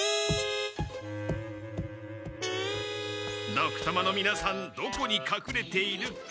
ドクたまのみなさんどこに隠れているか。